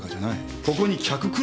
ここに客来るか？